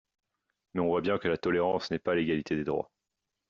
Mais on voit bien que la tolérance n'est pas l'égalité des droits.